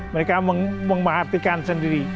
mereka menghapuskan sendiri